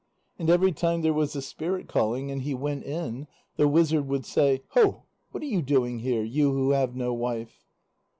And every time there was a spirit calling, and he went in, the wizard would say: "Ho, what are you doing here, you who have no wife?"